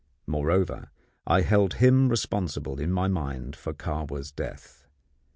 Moreover, I held him responsible in my mind for Kahwa's death.